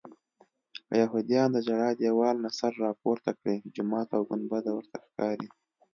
که یهودیان د ژړا دیوال نه سر راپورته کړي جومات او ګنبده ورته ښکاري.